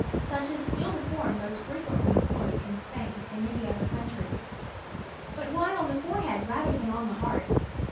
Such is still the form most frequently employed in Spain and many other countries.* But why on the forehead rather than on the heart?